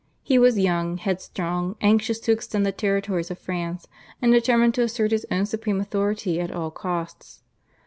He was young, headstrong, anxious to extend the territories of France, and determined to assert his own supreme authority at all costs.